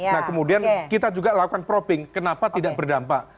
nah kemudian kita juga lakukan proping kenapa tidak berdampak